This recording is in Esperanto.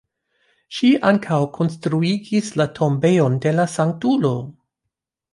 Ŝi ankaŭ konstruigis la tombejon de la sanktulo.